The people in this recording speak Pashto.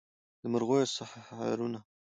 د مرغیو سحرونه